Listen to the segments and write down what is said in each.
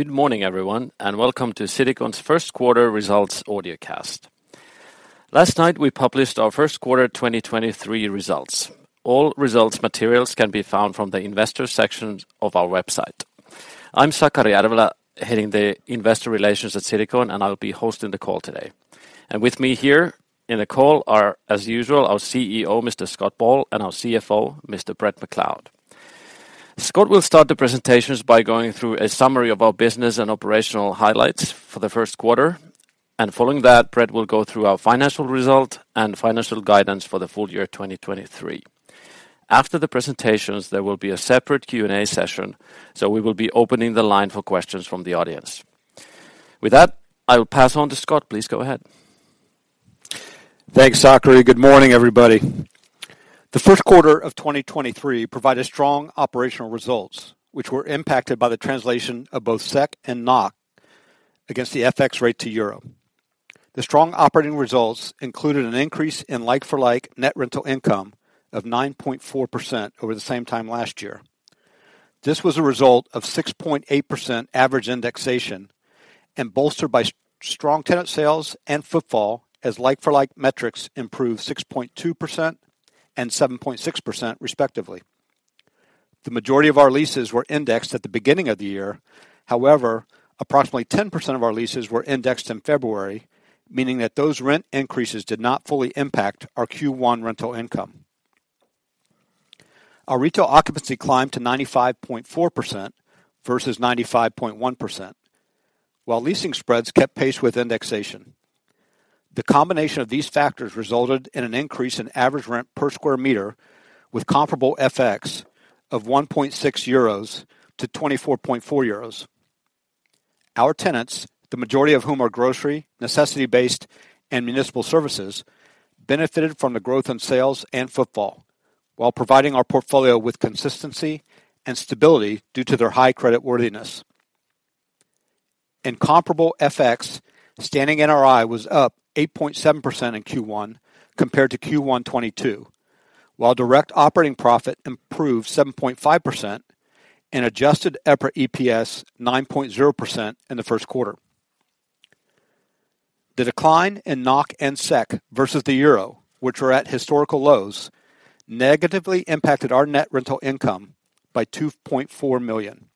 Good morning everyone, welcome to Citycon's first quarter results audio cast. Last night we published our first quarter 2023 results. All results materials can be found from the investor sections of our website. I'm Sakari Järvelä, heading the investor relations at Citycon, and I'll be hosting the call today. With me here in the call are, as usual, our CEO, Mr. Scott Ball, and our CFO, Mr. Bret D. McLeod. Scott will start the presentations by going through a summary of our business and operational highlights for the first quarter. Following that, Brett will go through our financial result and financial guidance for the full year 2023. After the presentations, there will be a separate Q&A session, so we will be opening the line for questions from the audience. With that, I will pass on to Scott. Please go ahead. Thanks, Sakari. Good morning, everybody. The first quarter of 2023 provided strong operational results, which were impacted by the translation of both SEK and NOK against the FX rate to Euro. The strong operating results included an increase in like-for-like net rental income of 9.4% over the same time last year. This was a result of 6.8% average indexation and bolstered by strong tenant sales and footfall as like-for-like metrics improved 6.2% and 7.6% respectively. The majority of our leases were indexed at the beginning of the year. However, approximately 10% of our leases were indexed in February, meaning that those rent increases did not fully impact our Q1 rental income. Our retail occupancy climbed to 95.4% versus 95.1% while leasing spreads kept pace with indexation. The combination of these factors resulted in an increase in average rent per square meter with comparable FX of 1.6 euros to 24.4. Our tenants, the majority of whom are grocery, necessity-based, and municipal services, benefited from the growth in sales and footfall while providing our portfolio with consistency and stability due to their high creditworthiness. In comparable FX, standing NRI was up 8.7% in Q1 compared to Q1 2022, while Direct Operating Profit improved 7.5% and adjusted EPRA EPS 9.0% in the first quarter. The decline in NOK and SEK versus the EUR, which were at historical lows, negatively impacted our net rental income by 2.4 million.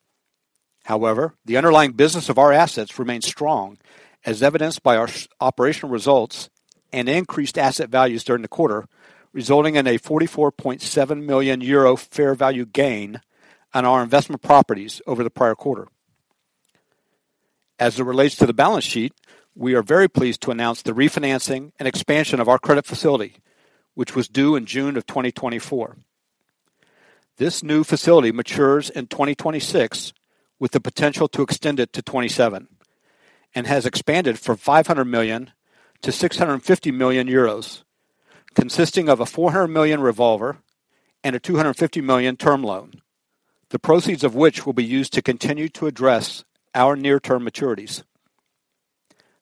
The underlying business of our assets remains strong, as evidenced by our operational results and increased asset values during the quarter, resulting in a 44.7 million euro fair value gain on our investment properties over the prior quarter. As it relates to the balance sheet, we are very pleased to announce the refinancing and expansion of our credit facility, which was due in June 2024. This new facility matures in 2026 with the potential to extend it to 2027 and has expanded from 500 million to 650 million, consisting of a 400 million revolver and a 250 million term loan, the proceeds of which will be used to continue to address our near-term maturities.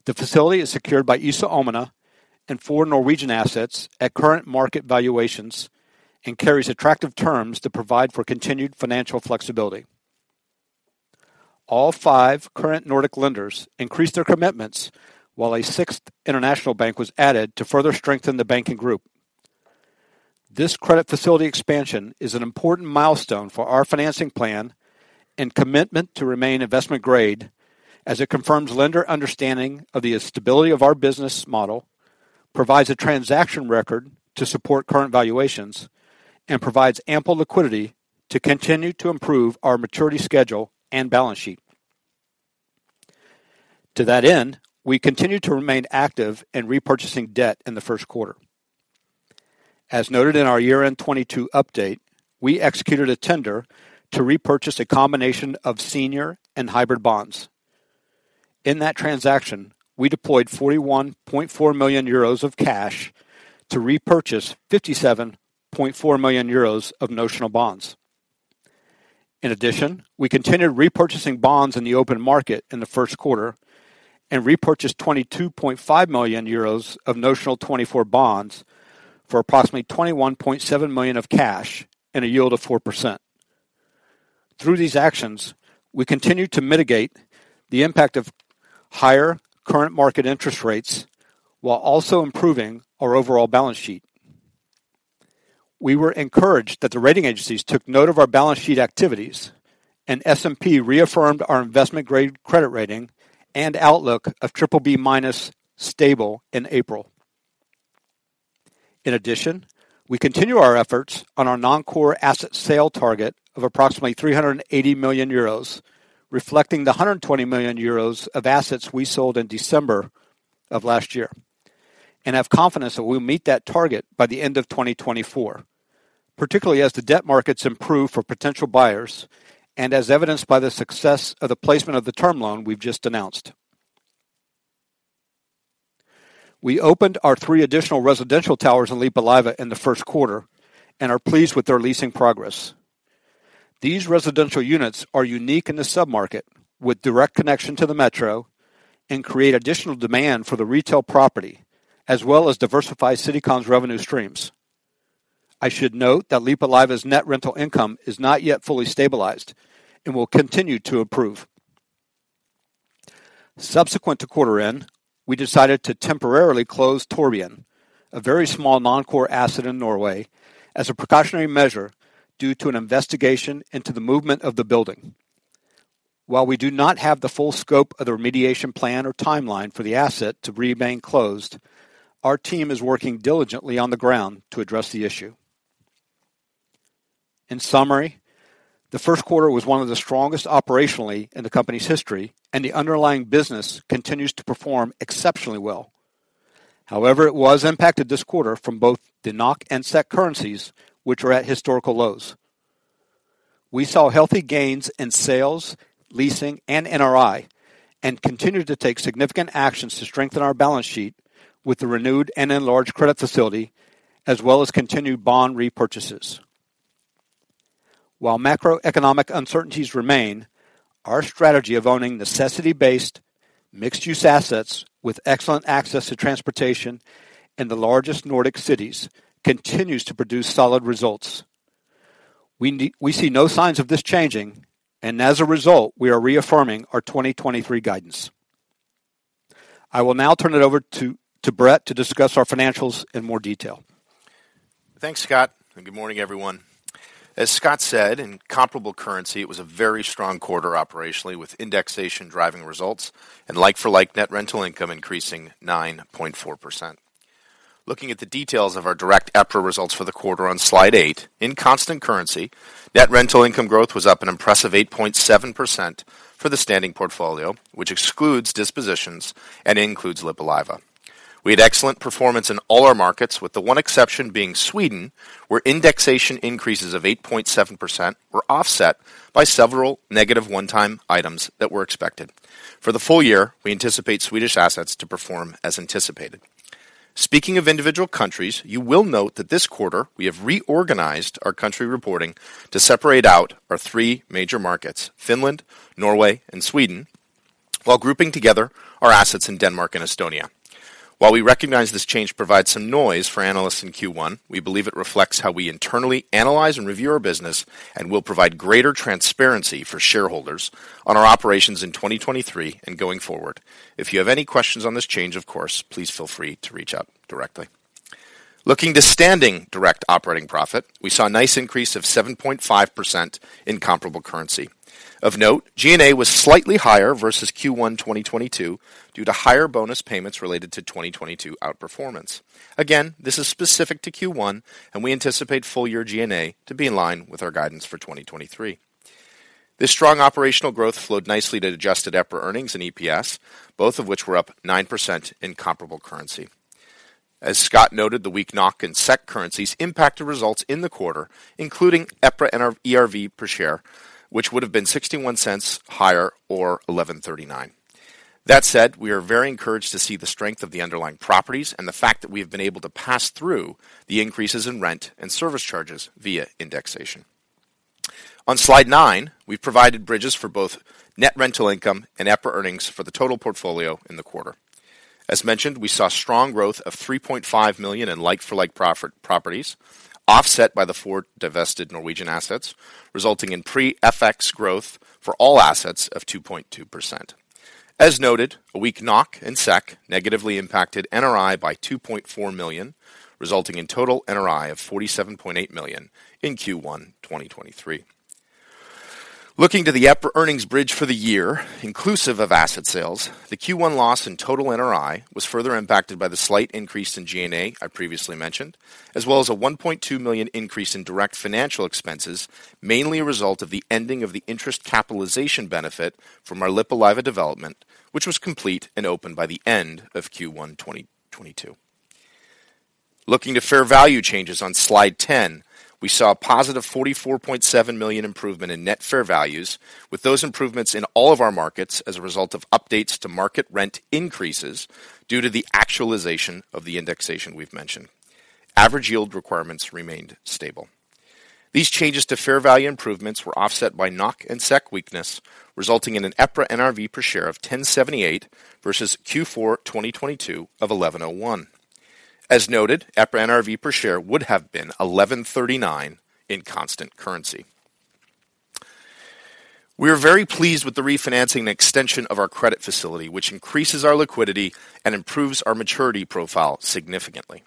The facility is secured by Iso Omena and four Norwegian assets at current market valuations and carries attractive terms to provide for continued financial flexibility. All five current Nordic lenders increased their commitments while a sixth international bank was added to further strengthen the banking group. This credit facility expansion is an important milestone for our financing plan and commitment to remain investment grade as it confirms lender understanding of the stability of our business model, provides a transaction record to support current valuations, and provides ample liquidity to continue to improve our maturity schedule and balance sheet. To that end, we continue to remain active in repurchasing debt in the first quarter. As noted in our year-end 2022 update, we executed a tender to repurchase a combination of senior and hybrid bonds. In that transaction, we deployed 41.4 million euros of cash to repurchase 57.4 million euros of notional bonds. We continued repurchasing bonds in the open market in the first quarter and repurchased 22.5 million euros of notional 24 bonds for approximately 21.7 million of cash and a yield of 4%. Through these actions, we continued to mitigate the impact of higher current market interest rates while also improving our overall balance sheet. We were encouraged that the rating agencies took note of our balance sheet activities. S&P reaffirmed our investment grade credit rating and outlook of BBB- stable in April. In addition, we continue our efforts on our non-core asset sale target of approximately 380 million euros, reflecting the 120 million euros of assets we sold in December of last year, and have confidence that we'll meet that target by the end of 2024, particularly as the debt markets improve for potential buyers and as evidenced by the success of the placement of the term loan we've just announced. We opened our three additional residential towers in Lippulaiva in the first quarter and are pleased with their leasing progress. These residential units are unique in the sub-market with direct connection to the metro and create additional demand for the retail property, as well as diversify Citycon's revenue streams. I should note that Lippulaiva's net rental income is not yet fully stabilized and will continue to improve. Subsequent to quarter end, we decided to temporarily close Torvbyen, a very small non-core asset in Norway, as a precautionary measure due to an investigation into the movement of the building. While we do not have the full scope of the remediation plan or timeline for the asset to remain closed, our team is working diligently on the ground to address the issue. In summary, the first quarter was one of the strongest operationally in the company's history, and the underlying business continues to perform exceptionally well. However, it was impacted this quarter from both the NOK and SEK currencies, which were at historical lows. We saw healthy gains in sales, leasing, and NRI, and continued to take significant actions to strengthen our balance sheet with the renewed and enlarged credit facility, as well as continued bond repurchases. While macroeconomic uncertainties remain, our strategy of owning necessity-based mixed-use assets with excellent access to transportation and the largest Nordic cities continues to produce solid results. We see no signs of this changing. As a result, we are reaffirming our 2023 guidance. I will now turn it over to Brett to discuss our financials in more detail. Thanks, Scott, good morning, everyone. As Scott said, in comparable currency, it was a very strong quarter operationally with indexation driving results and like-for-like net rental income increasing 9.4%. Looking at the details of our direct EPRA results for the quarter on slide eight, in constant currency, net rental income growth was up an impressive 8.7% for the standing portfolio, which excludes dispositions and includes Lippulaiva. We had excellent performance in all our markets, with the one exception being Sweden, where indexation increases of 8.7% were offset by several negative one-time items that were expected. For the full year, we anticipate Swedish assets to perform as anticipated. Speaking of individual countries, you will note that this quarter we have reorganized our country reporting to separate out our three major markets, Finland, Norway, and Sweden, while grouping together our assets in Denmark and Estonia. While we recognize this change provides some noise for analysts in Q1, we believe it reflects how we internally analyze and review our business and will provide greater transparency for shareholders on our operations in 2023 and going forward. If you have any questions on this change, of course, please feel free to reach out directly. Looking to standing Direct Operating Profit, we saw a nice increase of 7.5% in comparable currency. Of note, G&A was slightly higher versus Q1 2022 due to higher bonus payments related to 2022 outperformance. Again, this is specific to Q1, and we anticipate full year G&A to be in line with our guidance for 2023. This strong operational growth flowed nicely to adjusted EPRA earnings and EPS, both of which were up 9% in comparable currency. As Scott noted, the weak NOK and SEK currencies impacted results in the quarter, including EPRA ERV per share, which would have been 0.61 higher or 11.39. That said, we are very encouraged to see the strength of the underlying properties and the fact that we have been able to pass through the increases in rent and service charges via indexation. On slide nine, we've provided bridges for both net rental income and EPRA earnings for the total portfolio in the quarter. As mentioned, we saw strong growth of 3.5 million in like-for-like properties, offset by the four divested Norwegian assets, resulting in pre-FX growth for all assets of 2.2%. As noted, a weak NOK and SEK negatively impacted NRI by 2.4 million, resulting in total NRI of 47.8 million in Q1 2023. Looking to the EPRA earnings bridge for the year, inclusive of asset sales, the Q1 loss in total NRI was further impacted by the slight increase in G&A I previously mentioned, as well as a 1.2 million increase in direct financial expenses, mainly a result of the ending of the interest capitalization benefit from our Lippulaiva development, which was complete and open by the end of Q1 2022. Looking to fair value changes on slide 10, we saw a positive 44.7 million improvement in net fair values, with those improvements in all of our markets as a result of updates to market rent increases due to the actualization of the indexation we've mentioned. Average yield requirements remained stable. These changes to fair value improvements were offset by NOK and SEK weakness, resulting in an EPRA NRV per share of 10.78 versus Q4 2022 of 11.01. As noted, EPRA NRV per share would have been 11.39 in constant currency. We are very pleased with the refinancing extension of our credit facility, which increases our liquidity and improves our maturity profile significantly.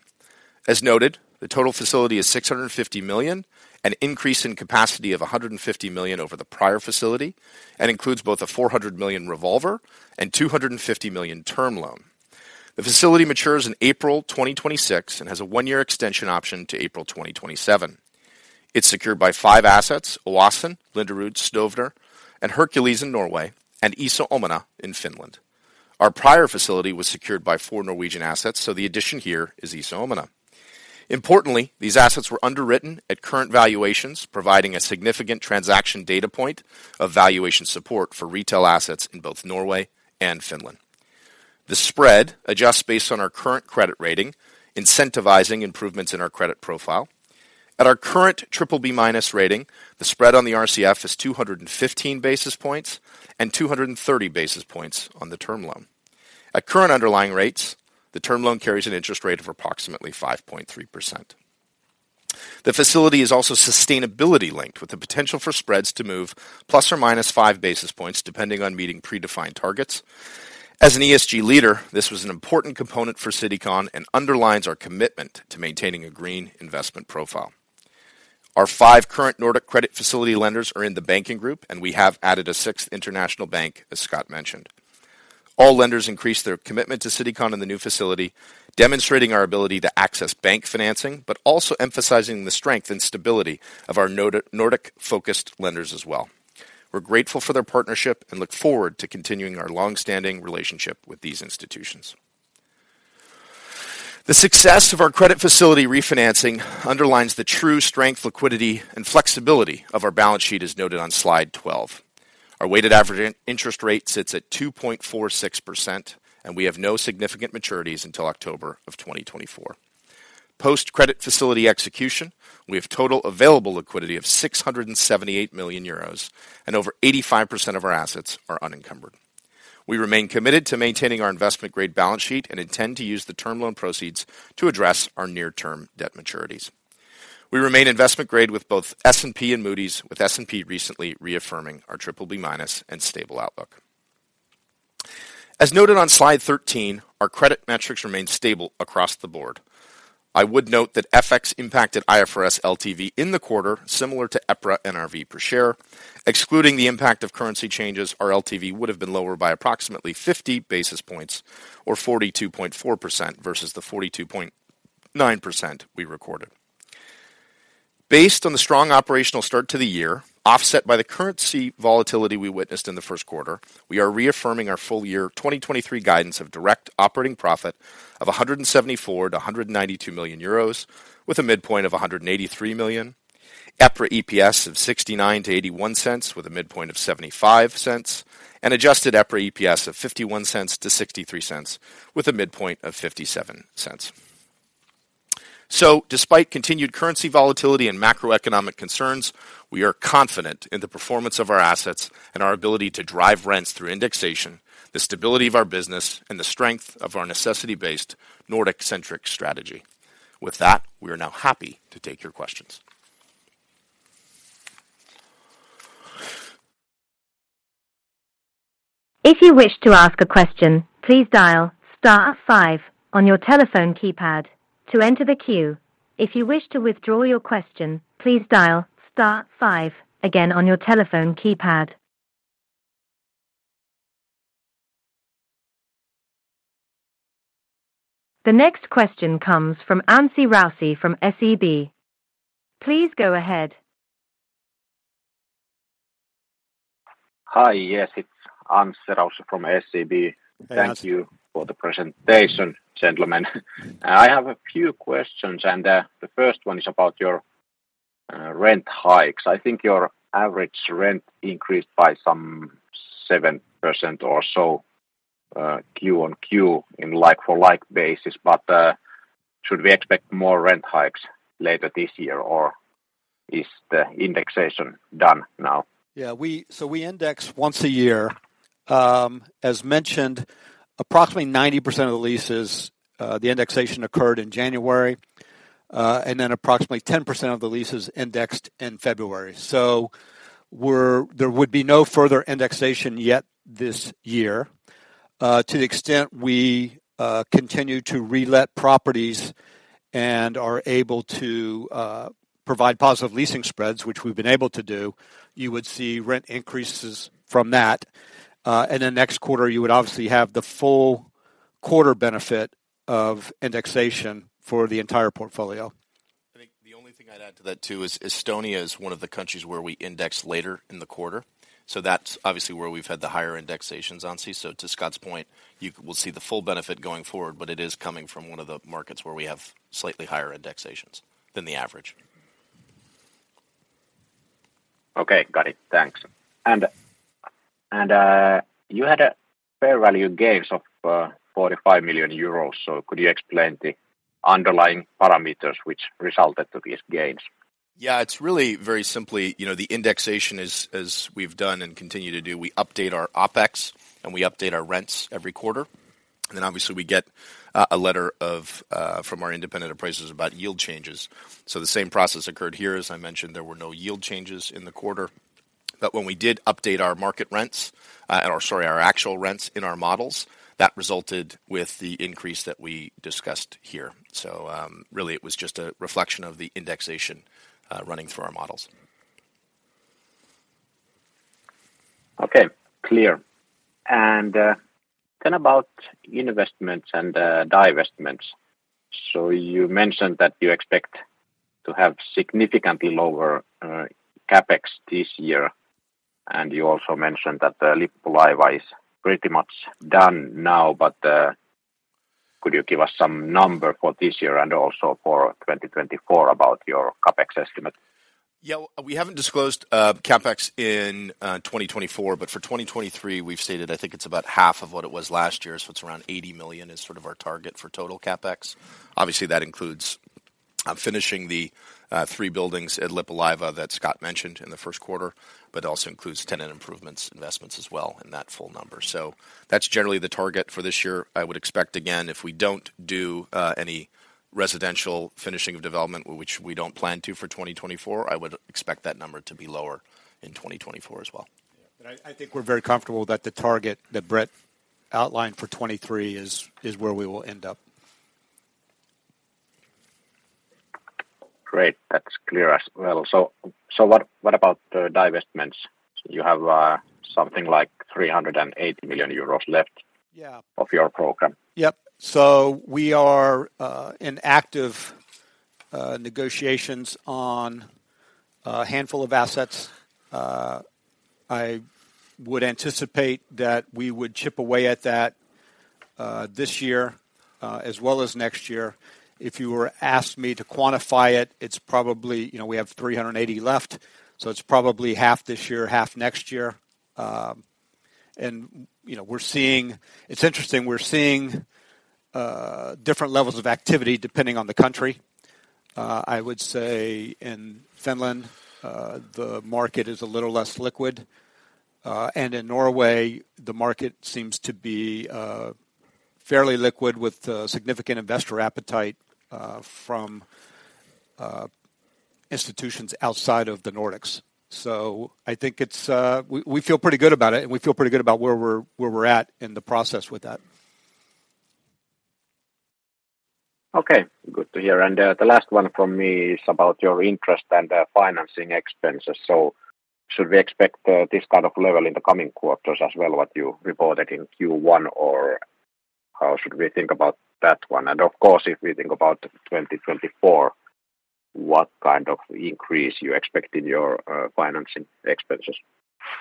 As noted, the total facility is 650 million, an increase in capacity of 150 million over the prior facility, and includes both a 400 million revolver and 250 million term loan. The facility matures in April 2026 and has a one-year extension option to April 2027. It's secured by five assets: Oasen, Linderud, Stovner, and Herkules in Norway and Iso Omena in Finland. Our prior facility was secured by 4 Norwegian assets, so the addition here is Iso Omena. Importantly, these assets were underwritten at current valuations, providing a significant transaction data point of valuation support for retail assets in both Norway and Finland. The spread adjusts based on our current credit rating, incentivizing improvements in our credit profile. At our current BBB- rating, the spread on the RCF is 215 basis points and 230 basis points on the term loan. At current underlying rates, the term loan carries an interest rate of approximately 5.3%. The facility is also sustainability-linked, with the potential for spreads to move ±5 basis points depending on meeting predefined targets. As an ESG leader, this was an important component for Citycon and underlines our commitment to maintaining a green investment profile. Our five current Nordic credit facility lenders are in the banking group, and we have added a 6th international bank, as Scott mentioned. All lenders increased their commitment to Citycon in the new facility, demonstrating our ability to access bank financing, but also emphasizing the strength and stability of our Nordic-focused lenders as well. We're grateful for their partnership and look forward to continuing our long-standing relationship with these institutions. The success of our credit facility refinancing underlines the true strength, liquidity, and flexibility of our balance sheet, as noted on slide 12. Our weighted average in-interest rate sits at 2.46%, and we have no significant maturities until October 2024. Post-credit facility execution, we have total available liquidity of 678 million euros, and over 85% of our assets are unencumbered. We remain committed to maintaining our investment grade balance sheet and intend to use the term loan proceeds to address our near-term debt maturities. We remain investment grade with both S&P and Moody's, with S&P recently reaffirming our BBB- and stable outlook. As noted on slide 13, our credit metrics remain stable across the board. I would note that FX impacted IFRS LTV in the quarter, similar to EPRA NRV per share. Excluding the impact of currency changes, our LTV would have been lower by approximately 50 basis points or 42.4% versus the 42.9% we recorded. Based on the strong operational start to the year, offset by the currency volatility we witnessed in the first quarter, we are reaffirming our full year 2023 guidance of Direct Operating Profit of 174 million-192 million euros with a midpoint of 183 million, EPRA EPS of 0.69-0.81 with a midpoint of 0.75, and adjusted EPRA EPS of 0.51-0.63 with a midpoint of 0.57. Despite continued currency volatility and macroeconomic concerns, we are confident in the performance of our assets and our ability to drive rents through indexation, the stability of our business, and the strength of our necessity-based Nordic-centric strategy. With that, we are now happy to take your questions. If you wish to ask a question, please dial star five on your telephone keypad to enter the queue. If you wish to withdraw your question, please dial star five again on your telephone keypad. The next question comes from Anssi Raussi from SEB. Please go ahead. Hi. Yes, it's Anssi Raussi from SEB. Hey, Anssi. Thank you for the presentation, gentlemen. I have a few questions. The first one is about your rent hikes. I think your average rent increased by some 7% or so, Q on Q in like-for-like basis. Should we expect more rent hikes later this year, or is the indexation done now? We index once a year. As mentioned, approximately 90% of the leases, the indexation occurred in January. Approximately 10% of the leases indexed in February. There would be no further indexation yet this year. To the extent we continue to relet properties and are able to provide positive leasing spreads, which we've been able to do, you would see rent increases from that. Next quarter, you would obviously have the full quarter benefit of indexation for the entire portfolio. I think the only thing I'd add to that too is Estonia is one of the countries where we index later in the quarter. That's obviously where we've had the higher indexations, Anssi. To Scott's point, we'll see the full benefit going forward, but it is coming from one of the markets where we have slightly higher indexations than the average. Okay. Got it. Thanks. You had a fair value gains of 45 million euros. Could you explain the underlying parameters which resulted to these gains? Yeah. It's really very simply, you know, the indexation is as we've done and continue to do. We update our OpEx, and we update our rents every quarter. Obviously we get a letter of from our independent appraisers about yield changes. The same process occurred here. As I mentioned, there were no yield changes in the quarter. When we did update our market rents, or sorry, our actual rents in our models, that resulted with the increase that we discussed here. Really it was just a reflection of the indexation running through our models. Okay. Clear. Then about investments and divestments. You mentioned that you expect to have significantly lower CapEx this year. You also mentioned that the Lippulaiva is pretty much done now. Could you give us some number for this year and also for 2024 about your CapEx estimate? We haven't disclosed CapEx in 2024, but for 2023, we've stated I think it's about half of what it was last year. It's around 80 million is sort of our target for total CapEx. Obviously, that includes finishing the three buildings at Lippulaiva that Scott mentioned in the first quarter, but also includes tenant improvements investments as well in that full number. That's generally the target for this year. I would expect, again, if we don't do any residential finishing of development, which we don't plan to for 2024, I would expect that number to be lower in 2024 as well. Yeah. I think we're very comfortable that the target that Bret outlined for 2023 is where we will end up. Great. That's clear as well. What about divestments? You have something like 380 million euros left- Yeah. Of your program? Yep. We are in active negotiations on a handful of assets. I would anticipate that we would chip away at that this year as well as next year. If you were asked me to quantify it, you know, we have 380 left, so it's probably half this year, half next year. You know, it's interesting, we're seeing different levels of activity depending on the country. I would say in Finland, the market is a little less liquid. In Norway, the market seems to be fairly liquid with significant investor appetite from institutions outside of the Nordics. I think it's, we feel pretty good about it, and we feel pretty good about where we're at in the process with that. Okay. Good to hear. The last one from me is about your interest and financing expenses. Should we expect this kind of level in the coming quarters as well what you reported in Q1, or how should we think about that one? Of course, if we think about 2024, what kind of increase you expect in your financing expenses?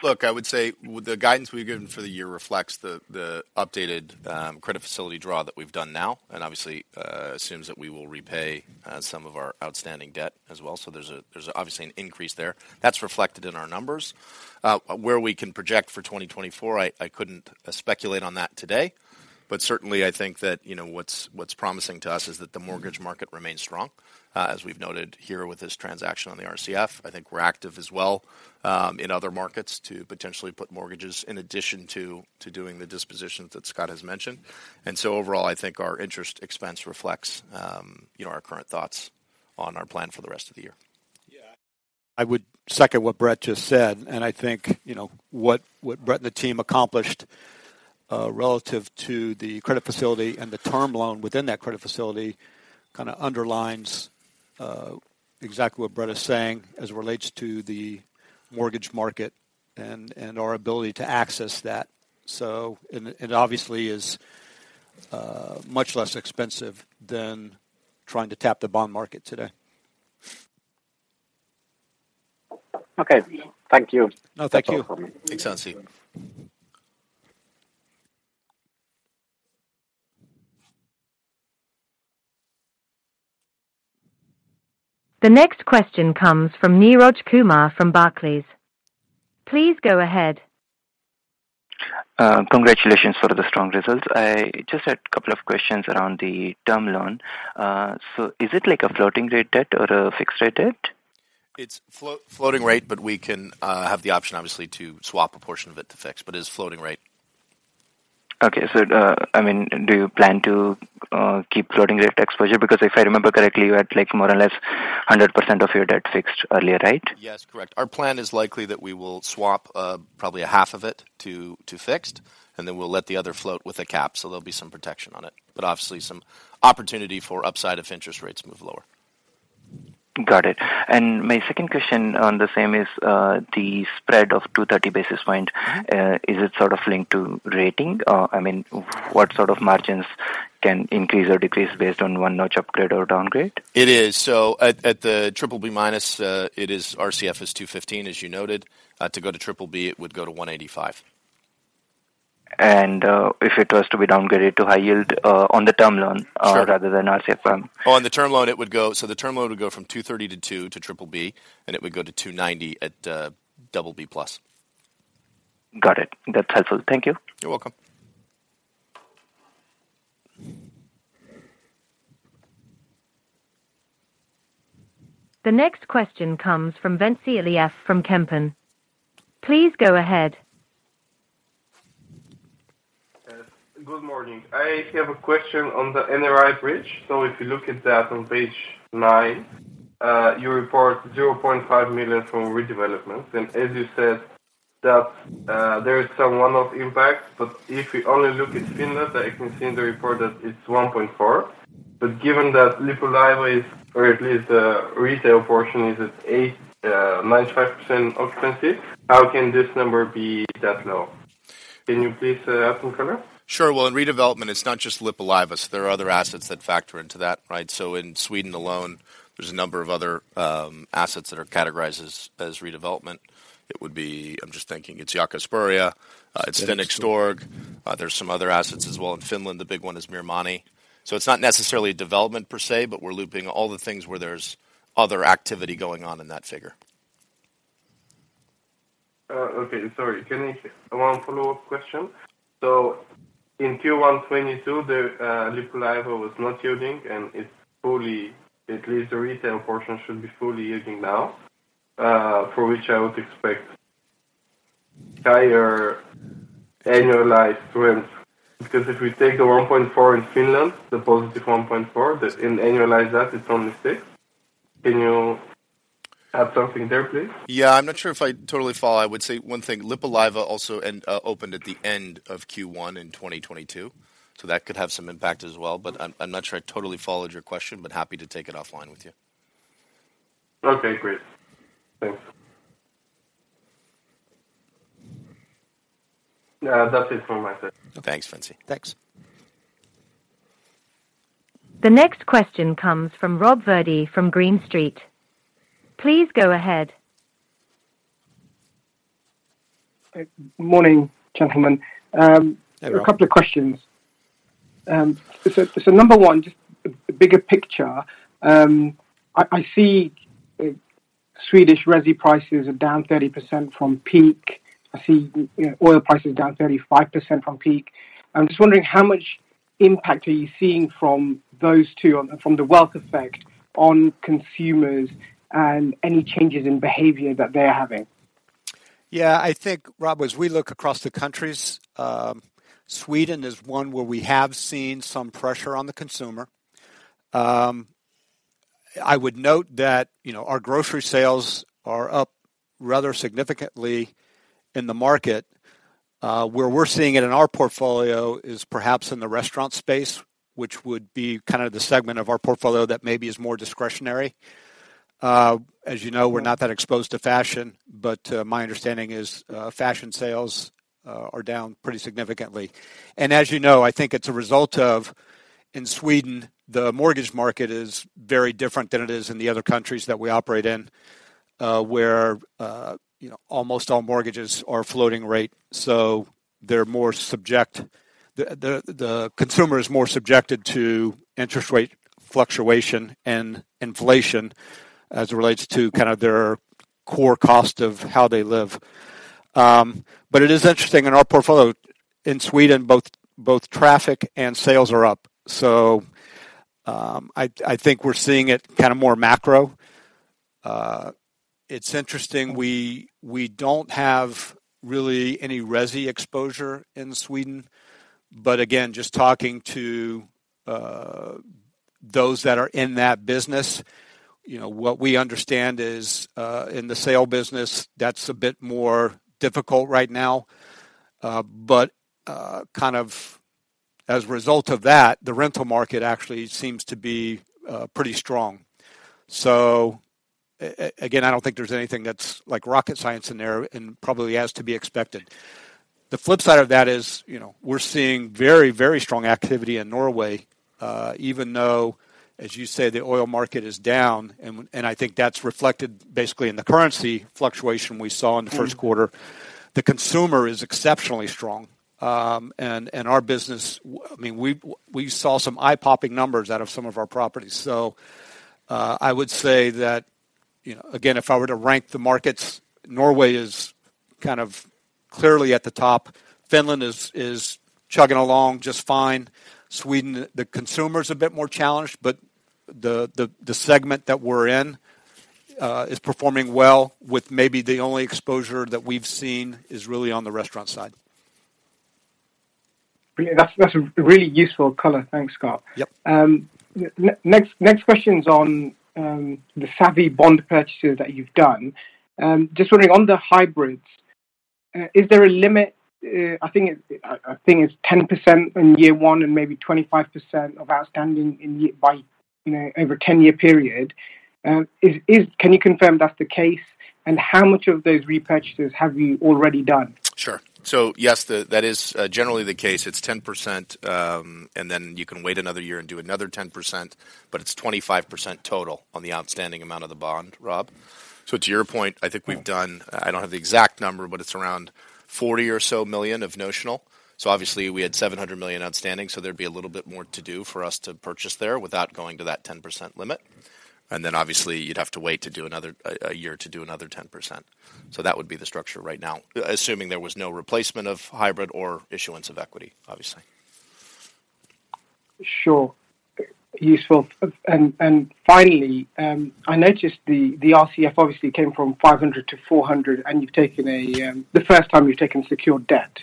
Look, I would say the guidance we've given for the year reflects the updated credit facility draw that we've done now, obviously, assumes that we will repay some of our outstanding debt as well. There's obviously an increase there. That's reflected in our numbers. Where we can project for 2024, I couldn't speculate on that today, but certainly I think that, you know, what's promising to us is that the mortgage market remains strong. As we've noted here with this transaction on the RCF. I think we're active as well, in other markets to potentially put mortgages in addition to doing the dispositions that Scott has mentioned. Overall, I think our interest expense reflects, you know, our current thoughts on our plan for the rest of the year. Yeah. I would second what Brett just said, I think, you know, what Brett and the team accomplished relative to the credit facility and the term loan within that credit facility kinda underlines exactly what Brett is saying as it relates to the mortgage market and our ability to access that. And obviously is much less expensive than trying to tap the bond market today. Okay. Thank you. No, thank you. Thanks, Anssi. The next question comes from Neeraj Kumar from Barclays. Please go ahead. Congratulations for the strong results. I just had a couple of questions around the term loan. Is it like a floating rate debt or a fixed rate debt? It's floating rate, but we can have the option obviously to swap a portion of it to fixed, but it's floating rate. Okay. I mean, do you plan to keep floating rate exposure? Because if I remember correctly, you had like more or less 100% of your debt fixed earlier, right? Yes. Correct. Our plan is likely that we will swap, probably a half of it to fixed, and then we'll let the other float with a cap. There'll be some protection on it. Obviously some opportunity for upside if interest rates move lower. Got it. My second question on the same is the spread of 230 basis points, is it sort of linked to rating? I mean, what sort of margins can increase or decrease based on one notch upgrade or downgrade? It is. At the BBB-, it is RCF is 215, as you noted. To go to BBB, it would go to 185. If it was to be downgraded to high yield on the term loan... Sure Rather than RCF? On the term loan, the term loan would go from 230 to BBB-, and it would go to 290 at BB+. Got it. That's helpful. Thank you. You're welcome. The next question comes from Ventsi Iliev from Kempen. Please go ahead. Yes. Good morning. I have a question on the NRI bridge. If you look at that on page 9, you report 0.5 million from redevelopments. As you said that, there is some one-off impact. If you only look at Finland, I can see in the report that it's 1.4. Given that Lippulaiva is, or at least the retail portion is at 95% occupancy, how can this number be that low? Can you please add some color? Well, in redevelopment, it's not just Lippulaiva. There are other assets that factor into that, right. In Sweden alone, there's a number of other assets that are categorized as redevelopment. It would be, I'm just thinking it's Jakobsberg. It's Fenix Torg. There's some other assets as well. In Finland, the big one is Myyrmanni. It's not necessarily a development per se, but we're looping all the things where there's other activity going on in that figure. Okay, sorry. Can I. One follow-up question. In Q1 2022, the Lippulaiva was not yielding, and it's fully at least the retail portion should be fully yielding now, for which I would expect higher annualized rents. If we take the 1.4% in Finland, the positive 1.4%, that annualize that, it's only 6%. Can you add something there, please? Yeah. I'm not sure if I totally follow. I would say one thing. Lippulaiva also opened at the end of Q1 in 2022, that could have some impact as well. I'm not sure I totally followed your question, but happy to take it offline with you. Okay, great. Thanks. That's it from my side. Thanks, Ventsi. Thanks. The next question comes from Rob Virdee from Green Street. Please go ahead. Morning, gentlemen. Hi, Rob. A couple of questions. Number one, just a bigger picture. I see Swedish resi prices are down 30% from peak. I see, you know, oil prices down 35% from peak. I'm just wondering how much impact are you seeing from those two from the wealth effect on consumers and any changes in behavior that they are having? Yeah. I think, Rob, as we look across the countries, Sweden is one where we have seen some pressure on the consumer. I would note that, you know, our grocery sales are up rather significantly in the market. Where we're seeing it in our portfolio is perhaps in the restaurant space, which would be kind of the segment of our portfolio that maybe is more discretionary. As you know, we're not that exposed to fashion, but my understanding is fashion sales are down pretty significantly. As you know, I think it's a result of, in Sweden, the mortgage market is very different than it is in the other countries that we operate in, where, you know, almost all mortgages are floating rate. They're more subject... The consumer is more subjected to interest rate fluctuation and inflation as it relates to kind of their core cost of how they live. It is interesting. In our portfolio in Sweden, both traffic and sales are up. I think we're seeing it kind of more macro. It's interesting, we don't have really any resi exposure in Sweden. Again, just talking to those that are in that business, you know, what we understand is, in the sale business, that's a bit more difficult right now. Kind of as a result of that, the rental market actually seems to be pretty strong. Again, I don't think there's anything that's like rocket science in there and probably as to be expected. The flip side of that is, you know, we're seeing very, very strong activity in Norway, even though, as you say, the oil market is down, and I think that's reflected basically in the currency fluctuation we saw in the first quarter. The consumer is exceptionally strong. Our business, I mean, we saw some eye-popping numbers out of some of our properties. I would say that, you know, again, if I were to rank the markets, Norway is kind of clearly at the top. Finland is chugging along just fine. Sweden, the consumer is a bit more challenged, but the segment that we're in is performing well with maybe the only exposure that we've seen is really on the restaurant side. Brilliant. That's a really useful color. Thanks, Scott. Yep. Next question is on the savvy bond purchases that you've done. Just wondering on the hybrids, is there a limit? I think it's, I think it's 10% in year one and maybe 25% of outstanding by, you know, over a 10-year period. Can you confirm that's the case? How much of those repurchases have you already done? Sure. Yes, that is generally the case. It's 10%, and then you can wait another year and do another 10%, but it's 25% total on the outstanding amount of the bond, Rob. To your point, I think we've done... I don't have the exact number, but it's around 40 or so million of notional. Obviously, we had 700 million outstanding, so there'd be a little bit more to do for us to purchase there without going to that 10% limit. Obviously, you'd have to wait to do another year to do another 10%. That would be the structure right now, assuming there was no replacement of hybrid or issuance of equity, obviously. Sure. Useful. And finally, I noticed the RCF obviously came from 500 to 400, and you've taken the first time you've taken secured debt.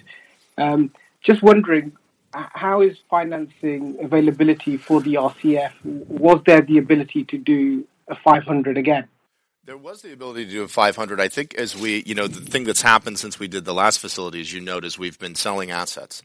Just wondering, how is financing availability for the RCF? Was there the ability to do a 500 again? There was the ability to do a 500 million. I think you know, the thing that's happened since we did the last facility is you notice we've been selling assets.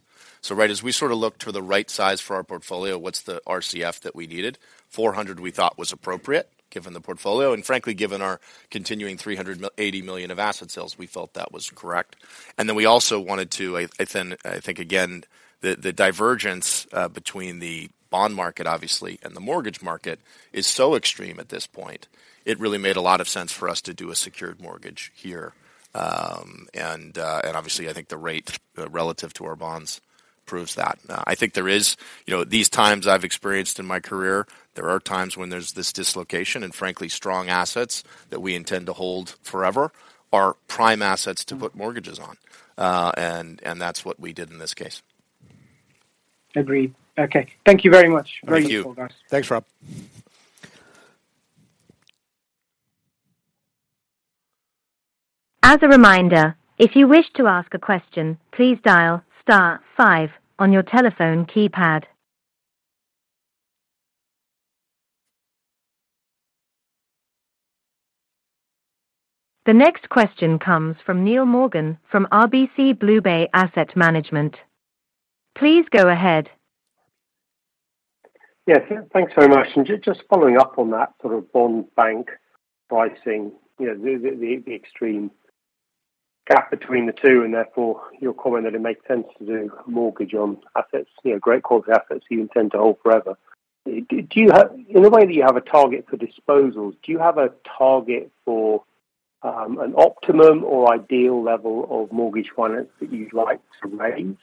Right as we sort of look to the right size for our portfolio, what's the RCF that we needed? 400 million we thought was appropriate given the portfolio. Frankly, given our continuing 380 million of asset sales, we felt that was correct. We also wanted to I think again, the divergence between the bond market obviously and the mortgage market is so extreme at this point, it really made a lot of sense for us to do a secured mortgage here. Obviously, I think the rate relative to our bonds proves that. I think there is... You know, these times I've experienced in my career, there are times when there's this dislocation, and frankly, strong assets that we intend to hold forever are prime assets to put mortgages on. That's what we did in this case. Agreed. Okay. Thank you very much. Very useful, guys. Thank you. Thanks, Rob. As a reminder, if you wish to ask a question, please dial star five on your telephone keypad. The next question comes from Neill Morgan from RBC BlueBay Asset Management. Please go ahead. Yes, thanks very much. Just following up on that sort of bond bank pricing, you know, the, the extreme gap between the two, and therefore your comment that it makes sense to do a mortgage on assets, you know, great quality assets you intend to hold forever, do you have... In the way that you have a target for disposals, do you have a target for an optimum or ideal level of mortgage finance that you'd like to raise,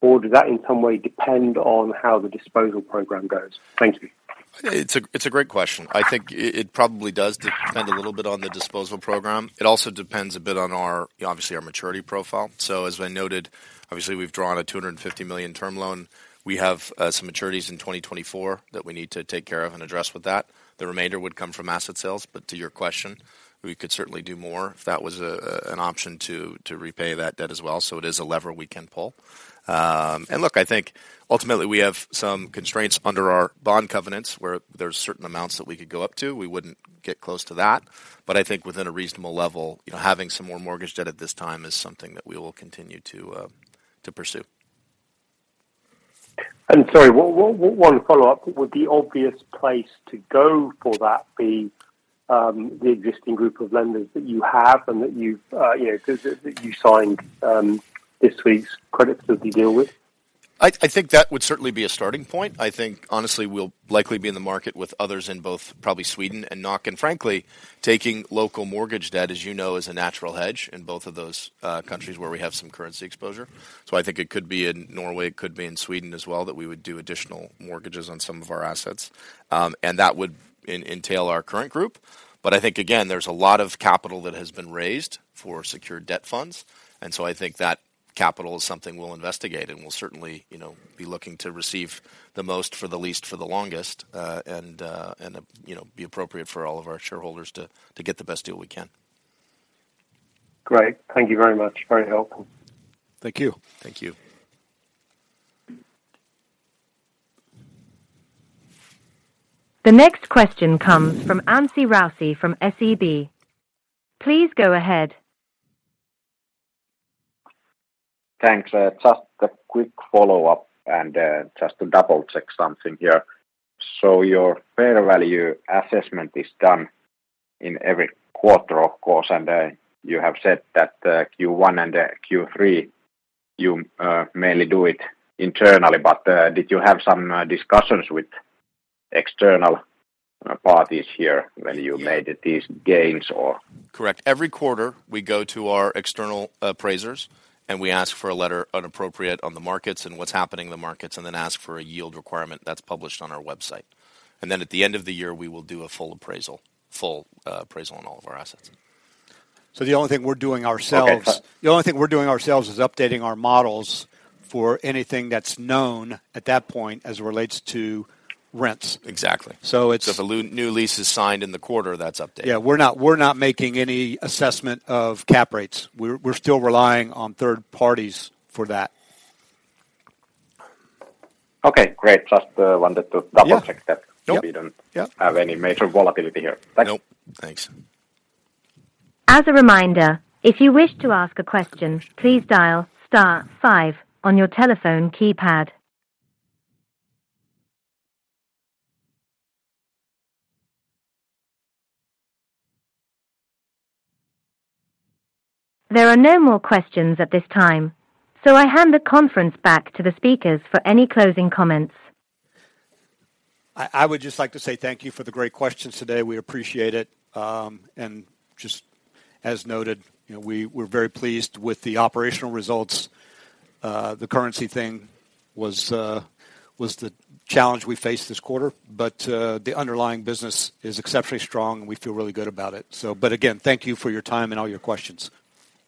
or does that in some way depend on how the disposal program goes? Thank you. It's a great question. I think it probably does depend a little bit on the disposal program. It also depends a bit on our maturity profile. As I noted, obviously we've drawn a 250 million term loan. We have some maturities in 2024 that we need to take care of and address with that. The remainder would come from asset sales. To your question, we could certainly do more if that was an option to repay that debt as well. It is a lever we can pull. Look, I think ultimately we have some constraints under our bond covenants where there's certain amounts that we could go up to. We wouldn't get close to that. I think within a reasonable level, you know, having some more mortgage debt at this time is something that we will continue to pursue. Sorry, one follow-up. Would the obvious place to go for that be the existing group of lenders that you have and that you've, you know, 'cause you signed this week's credits that you deal with? I think that would certainly be a starting point. I think honestly, we'll likely be in the market with others in both probably Sweden and Nacka. Frankly, taking local mortgage debt, as you know, is a natural hedge in both of those countries where we have some currency exposure. I think it could be in Norway, it could be in Sweden as well, that we would do additional mortgages on some of our assets. That would entail our current group. I think again, there's a lot of capital that has been raised for secured debt funds, I think that capital is something we'll investigate, and we'll certainly, you know, be looking to receive the most for the least for the longest, and, you know, be appropriate for all of our shareholders to get the best deal we can. Great. Thank you very much. Very helpful. Thank you. Thank you. The next question comes from Anssi Raussi from SEB. Please go ahead. Thanks. just a quick follow-up and, just to double-check something here. Your fair value assessment is done in every quarter, of course, and, you have said that, Q1 and, Q3, you, mainly do it internally. Did you have some, discussions with external, parties here when you made these gains or? Correct. Every quarter, we go to our external appraisers, and we ask for a letter appropriate on the markets and what's happening in the markets, and then ask for a yield requirement that's published on our website. At the end of the year, we will do a full appraisal on all of our assets. The only thing we're doing ourselves- Okay. The only thing we're doing ourselves is updating our models for anything that's known at that point as it relates to rents. Exactly. So it's- If a new lease is signed in the quarter, that's updated. Yeah. We're not making any assessment of cap rates. We're still relying on third parties for that. Okay, great. Just wanted to double-check that. Yeah. Nope. So we don't- Yeah. Have any major volatility here. Thanks. Nope. Thanks. As a reminder, if you wish to ask a question, please dial star five on your telephone keypad. There are no more questions at this time. I hand the conference back to the speakers for any closing comments. I would just like to say thank you for the great questions today. We appreciate it. Just as noted, you know, we're very pleased with the operational results. The currency thing was the challenge we faced this quarter, but the underlying business is exceptionally strong and we feel really good about it. Again, thank you for your time and all your questions.